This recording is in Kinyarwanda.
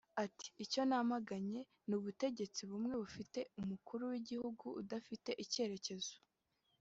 Ati” Icyo namaganye ni ubutegetsi bumwe bufite umukuru w’igihugu udafite icyerekezo